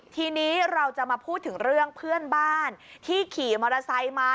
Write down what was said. ทีนี้เราจะมาพูดถึงเรื่องเพื่อนบ้านที่ขี่มอเตอร์ไซค์มา